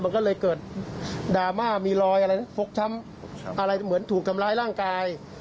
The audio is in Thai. มันก็เลยเกิดดราม่ามีรอยอะไรนะฟกช้ำอะไรเหมือนถูกทำร้ายร่างกาย